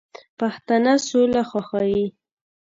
پښتانه سوله خوښوي